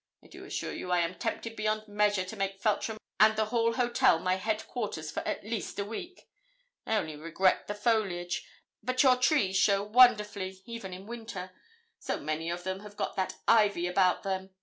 I do assure you I am tempted beyond measure to make Feltram and the Hall Hotel my head quarters for at least a week. I only regret the foliage; but your trees show wonderfully, even in winter, so many of them have got that ivy about them.